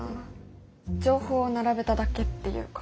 情報を並べただけっていうか。